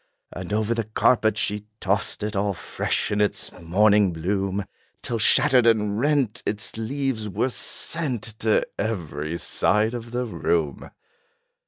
And over the carpet she tossed it, All fresh in its morning bloom, Till shattered and rent, its leaves were sent To every side of the room.